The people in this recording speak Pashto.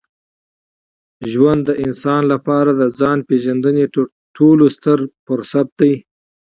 ژوند د انسان لپاره د ځان پېژندني تر ټولو ستر فرصت دی.